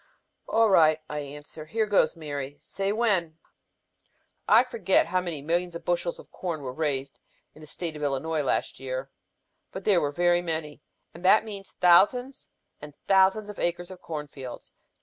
"All right," I answer, "here goes, Mary. Say when!" "I forget how many millions of bushels of corn were raised in the state of Illinois last year, but they were very many. And that means thousands and thousands of acres of corn fields.